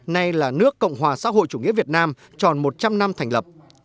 nay là nước cộng hòa xã hội chủ nghĩa việt nam tròn một trăm linh năm thành lập